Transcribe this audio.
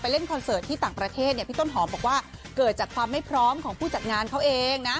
เล่นคอนเสิร์ตที่ต่างประเทศเนี่ยพี่ต้นหอมบอกว่าเกิดจากความไม่พร้อมของผู้จัดงานเขาเองนะ